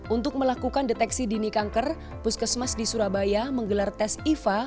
untuk melakukan deteksi dini kanker puskesmas di surabaya menggelar tes iva